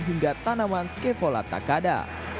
hingga tanaman skepholata kada